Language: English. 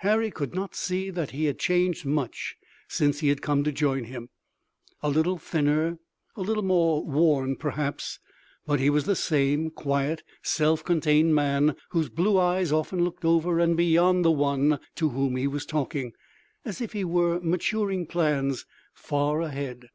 Harry could not see that he had changed much since he had come to join him. A little thinner, a little more worn, perhaps, but he was the same quiet, self contained man, whose blue eyes often looked over and beyond the one to whom he was talking, as if he were maturing plans far ahead.